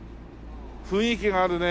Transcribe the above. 雰囲気があるね。